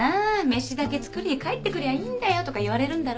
飯だけ作りに帰ってくりゃいいんだよ」とか言われるんだろうけど。